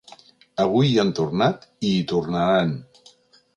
Avui hi han tornat i hi tornaran.